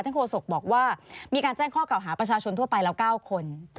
โฆษกบอกว่ามีการแจ้งข้อกล่าวหาประชาชนทั่วไปแล้ว๙คน